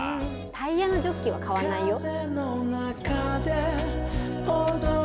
タイヤのジョッキは買わないよ。